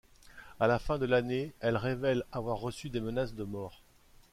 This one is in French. À la fin de l'année, elle révèle avoir reçu des menaces de mort.